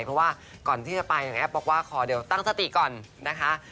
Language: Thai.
เพราะว่าก่อนที่จะไปแอฟบอกว่าขอเดี๋ยวตั้งสติก่อนนะคะ